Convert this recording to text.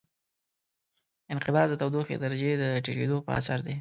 انقباض د تودوخې د درجې د ټیټېدو په اثر دی.